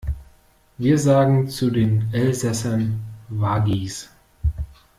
Wir sagen zu den Elsäßern Waggis.